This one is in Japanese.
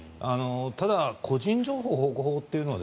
ただ、個人情報保護法というのは